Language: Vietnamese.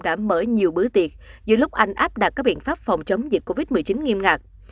đã mở nhiều bữa tiệc giữa lúc anh áp đặt các biện pháp phòng chống dịch covid một mươi chín nghiêm ngặt